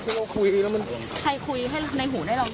ใครคุยให้ในหูได้ยินพี่